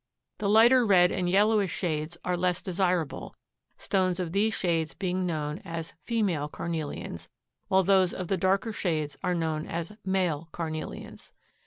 The lighter red and yellowish shades are less desirable, stones of these shades being known as "female carnelians," while those of the darker shades are known as "male" carnelians.